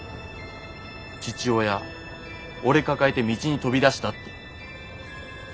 父親俺抱えて道に飛び出したって。